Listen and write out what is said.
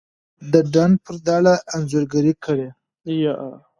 دډنډ پر دړه انځورګري کړي